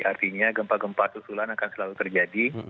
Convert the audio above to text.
artinya gempa gempa susulan akan selalu terjadi